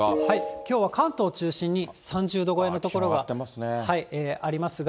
きょうは関東を中心に３０度超えの所が。ありますが。